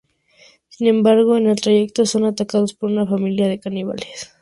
Sin embargo, en el trayecto son atacados por una familia de caníbales.